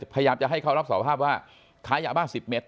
พยายามจะให้เขารับสารภาพว่าค้ายาบ้า๑๐เมตร